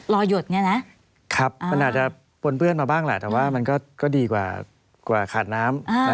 หยดเนี่ยนะมันอาจจะปนเปื้อนมาบ้างแหละแต่ว่ามันก็ดีกว่าขาดน้ำ